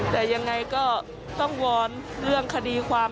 แต่ยังไงก็ต้องวอนเรื่องคดีความ